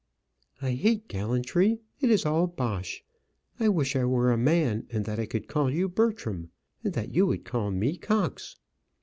"I hate gallantry; it is all bosh. I wish I were a man, and that I could call you Bertram, and that you would call me Cox."